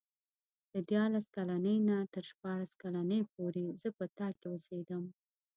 له دیارلس کلنۍ نه تر شپاړس کلنۍ پورې زه په تا کې اوسېدم.